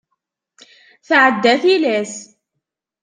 Tɛedda tilas.